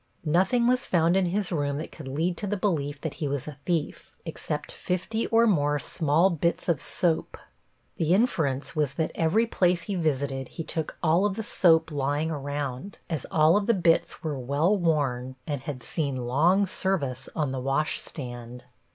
Nothing was found in his room that could lead to the belief that he was a thief, except fifty or more small bits of soap. The inference was that every place he visited he took all of the soap lying around, as all of the bits were well worn and had seen long service on the washstand.